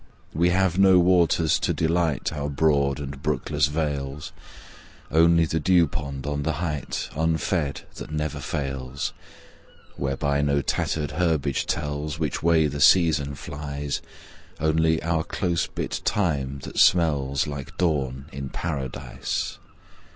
We have no waters to delight Our broad and brookless vales Only the dewpond on the height Unfed, that never fails Whereby no tattered herbage tells Which way the season flies Only our close bit thyme that smells Like dawn in Paradise.